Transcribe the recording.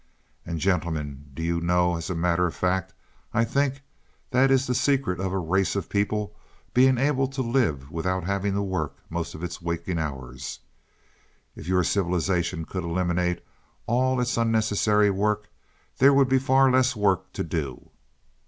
"And gentlemen, do you know, as a matter of fact, I think that is the secret of a race of people being able to live without having to work most of its waking hours? If your civilization could eliminate all its unnecessary work, there would be far less work to do."